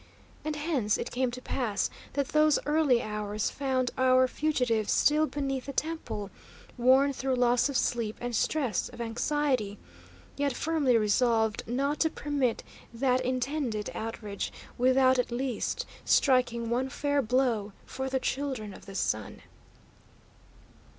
And hence it came to pass that those early hours found our fugitives still beneath the temple, worn through loss of sleep and stress of anxiety, yet firmly resolved not to permit that intended outrage without at least striking one fair blow for the Children of the Sun.